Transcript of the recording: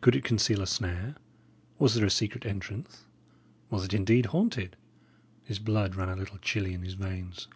Could it conceal a snare? Was there a secret entrance? Was it, indeed, haunted? His blood ran a little chilly in his veins.